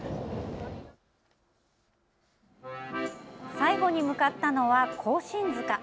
最後に向かったのは庚申塚。